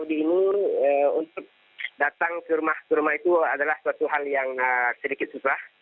jadi kita melakukan surat undangan saudi ini untuk datang ke rumah ke rumah itu adalah suatu hal yang sedikit susah